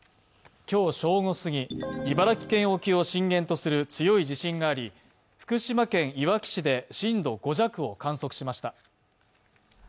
今日正午すぎ、茨城県沖を震源とする強い地震があり、福島県いわき市で震度５弱を観測しました。